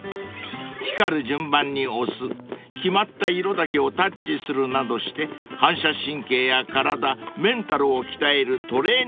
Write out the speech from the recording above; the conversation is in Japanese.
［光る順番に押す決まった色だけをタッチするなどして反射神経や体メンタルを鍛えるトレーニングツール］